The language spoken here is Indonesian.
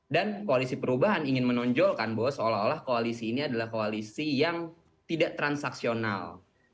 dan koalisi perubahan ingin menonjolkan bahwa seolah olah koalisi ini adalah koalisi yang tidak transaksional